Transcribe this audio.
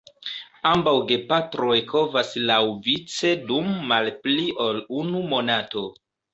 Ambaŭ gepatroj kovas laŭvice dum malpli ol unu monato.